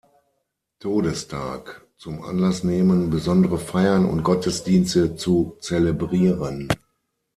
Todestag zum Anlass nehmen, besondere Feiern und Gottesdienste zu zelebrieren.